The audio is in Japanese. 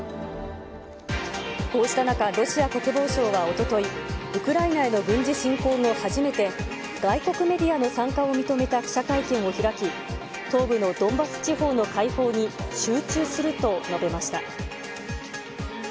こうした中、ロシア国防省はおととい、ウクライナへの軍事侵攻後初めて、外国メディアの参加を認めた記者会見を開き、東部のドンバス地方の解放に集中すると述べました。